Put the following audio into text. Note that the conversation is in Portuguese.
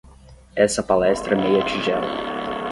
Essa palestra meia-tigela